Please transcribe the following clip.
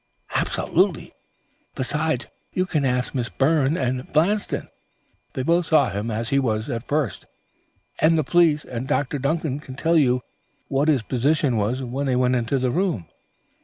"Absolutely. Besides, you can ask Miss Byrne and Blanston. They both saw him as he was at first. And the police and Dr. Duncan can tell you what his position was when they went into the room.